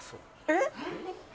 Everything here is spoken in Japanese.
「えっ！？」